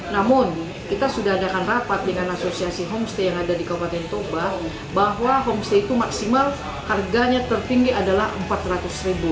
namun kita sudah adakan rapat dengan asosiasi homestay yang ada di kabupaten toba bahwa homestay itu maksimal harganya tertinggi adalah rp empat ratus